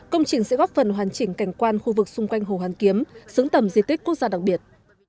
công trình sẽ góp phần hoàn chỉnh cảnh quan khu vực xung quanh hồ hoàn kiếm xứng tầm di tích quốc gia đặc biệt